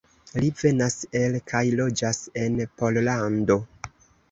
Li venas el kaj loĝas en Pollando.